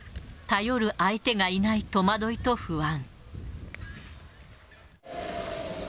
頼る相手がいない戸惑いと不安。